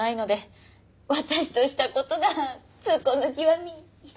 私とした事が痛恨の極み。